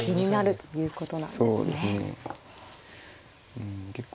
うん結構